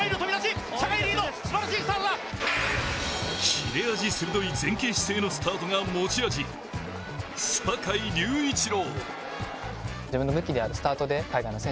切れ味鋭い前傾姿勢のスタートが持ち味、坂井隆一郎。